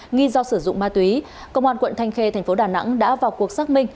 nghi do sử dụng ma túy công an quận thanh khê thành phố đà nẵng đã vào cuộc xác minh